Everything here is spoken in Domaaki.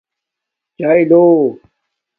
چایے لو